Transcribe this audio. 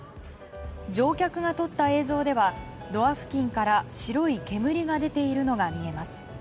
乗客が撮った映像ではドア付近から白い煙が出ているのが見えます。